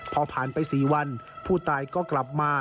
พอผ่านไป๔วันผู้ตายก็กลับมา